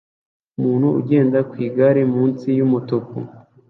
Umuntu ugenda ku igare munsi yumutuku